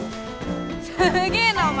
すげーなお前！